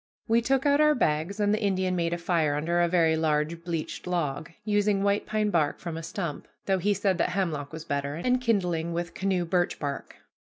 We took out our bags, and the Indian made a fire under a very large bleached log, using white pine bark from a stump, though he said that hemlock was better, and kindling with canoe birch bark.